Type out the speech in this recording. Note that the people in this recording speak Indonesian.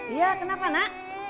iya kenapa nak